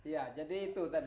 ya jadi itu tadi